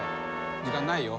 時間ないよ。